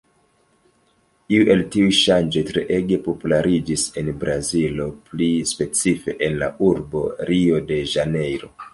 Iu el tiuj ŝanĝoj treege populariĝis en Brazilo, pli specife, en la urbo Rio-de-Ĵanejro.